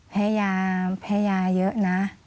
แพ้ยาเยอะนะ